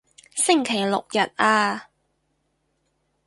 星期六日啊